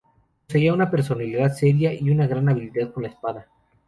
Poseía una personalidad seria y una gran habilidad con la espada.